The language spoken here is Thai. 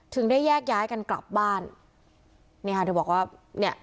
ถึงได้แยกย้ายกันกลับบ้านนี่ค่ะเธอบอกว่าเนี่ย